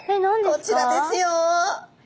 こちらですよ。